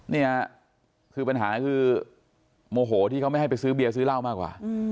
เนี่ยคือปัญหาคือโมโหที่เขาไม่ให้ไปซื้อเบียร์ซื้อเหล้ามากกว่า